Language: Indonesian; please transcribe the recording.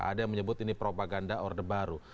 ada yang menyebut ini propaganda orde baru